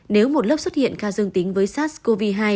nếu một lớp xuất hiện ca dương tính với sars cov hai